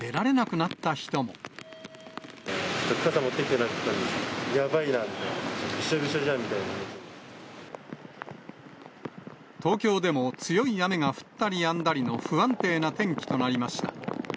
傘持ってきてなくて、やばいな、東京でも強い雨が降ったりやんだりの不安定な天気となりました。